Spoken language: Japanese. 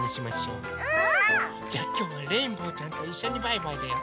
うん！じゃきょうはレインボーちゃんといっしょにバイバイだよ。